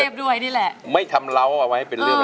สวัสดีครับคุณหน่อย